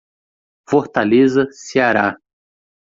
Fortaleza, Ceará.